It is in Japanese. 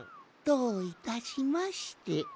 どういたしまして。